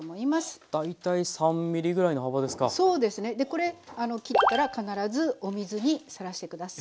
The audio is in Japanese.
これ切ったら必ずお水にさらして下さい。